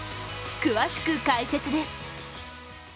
詳しく解説です。